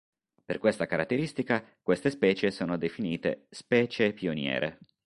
Per questa caratteristica, queste specie sono definite "specie pioniere".